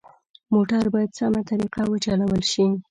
موټر باید سمه طریقه وچلول شي.